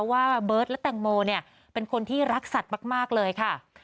ว่าเบิร์ตและแตงโมเนี่ยเป็นคนที่รักสัตว์มากเลยค่ะ